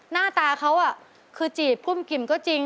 หน้าตาเขาคือจีบกพุ่มกิ่มก็จริง